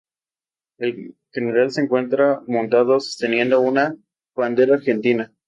El General se encuentra montado sosteniendo una Bandera Argentina.